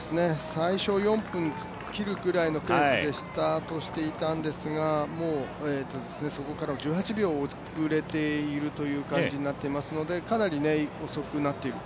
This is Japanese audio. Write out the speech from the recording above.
最初４分切るくらいのペースでスタートしていたんですがそこから１８秒遅れているという感じになっていますのでかなり遅くなっている。